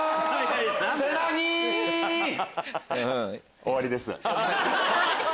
終わりです。